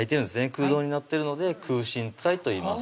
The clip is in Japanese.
空洞になってるので空心菜といいます